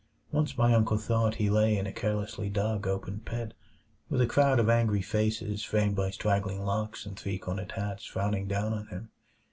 Once my uncle thought he lay in a carelessly dug open pit, with a crowd of angry faces framed by straggling locks and three cornered hats frowning down on him.